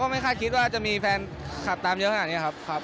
ไม่คาดคิดว่าจะมีแฟนคลับตามเยอะขนาดนี้ครับ